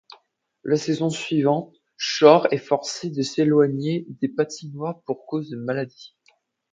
La saison suivante, Shore est forcé de s'éloigner des patinoires pour cause de maladie.